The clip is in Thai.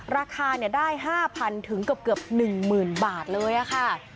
ราคาได้๕๐๐๐ถึงเกือบ๑๐๐๐บาทเลยค่ะ